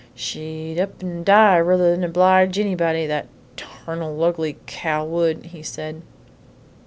"She'd up an' die ruther 'n obleege anybody, that tarnal, ugly cow would!" he said.